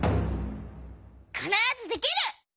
「かならずできる！」。